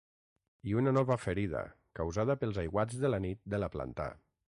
I una nova ferida causada pels aiguats de la nit de la plantà.